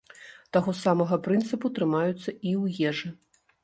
Таго самага прынцыпу трымаюцца і ў ежы.